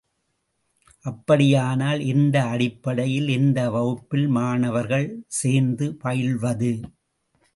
அப்படியானால், எந்த அடிப்படையில் எந்த வகுப்பில் மாணவர்கள் சேர்ந்து பயில்வது?